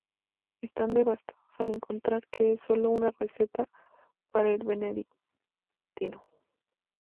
Están devastados al encontrar que es sólo una receta para el benedictino.